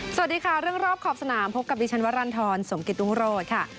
สวัสดีค่ะเรื่องรอบขอบสนามพบกับดิฉันวรรณฑรสมกิตรุงโรธค่ะ